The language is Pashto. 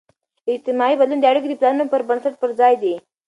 اجتماعي بدلون د اړیکو د پلانون پر بنسټ پرځای دی.